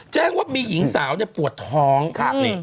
แจ้งว่ามีหญิงสาวปวดท้อง